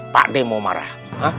pak dek mau marah